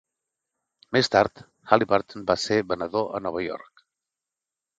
Més tard, Halliburton va ser venedor a Nova York.